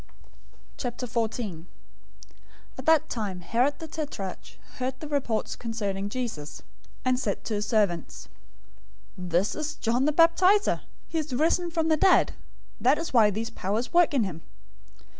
014:001 At that time, Herod the tetrarch heard the report concerning Jesus, 014:002 and said to his servants, "This is John the Baptizer. He is risen from the dead. That is why these powers work in him."